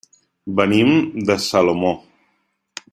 Venim de Salomó.